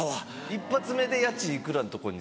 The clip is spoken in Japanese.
一発目で家賃いくらのとこに？